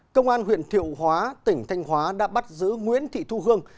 công an huyện thiệu hóa tỉnh thanh hóa đã bắt giữ nguyễn thị thu hương